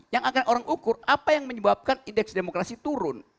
yang akan orang ukur apa yang menyebabkan indeks demokrasi turun